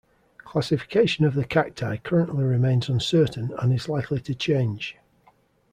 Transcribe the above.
Classification of the cacti currently remains uncertain and is likely to change.